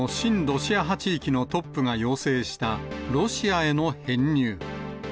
ロシア派地域のトップが要請した、ロシアへの編入。